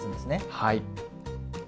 はい。